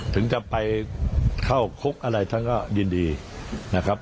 ถึงจะไปเข้าคุกอะไรท่านก็ยินดีนะครับ